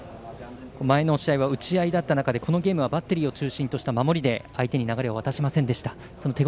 前の試合は打ち合いだった中でこのゲームはバッテリーを中心とした守りで相手に流れを渡しませんでした。